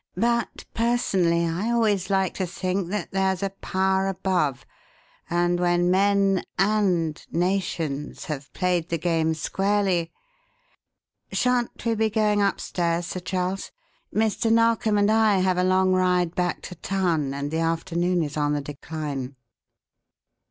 "But, personally, I always like to think that there's a Power above, and when men and nations have played the game squarely Shan't we be going upstairs, Sir Charles? Mr. Narkom and I have a long ride back to town, and the afternoon is on the decline."